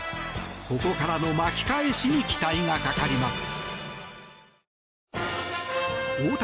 ここからの巻き返しに期待がかかります。